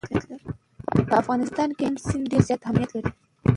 په افغانستان کې هلمند سیند ډېر زیات اهمیت لري.